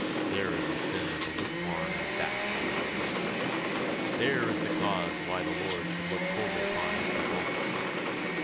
There is the sin of a lukewarm and back sliding generation! There is the cause why the Lord should look coldly upon His people!